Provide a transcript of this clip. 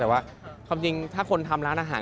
แต่ว่าความจริงถ้าคนทำร้านอาหาร